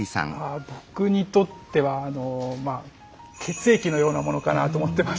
僕にとってはあの血液のようなものかなと思ってまして。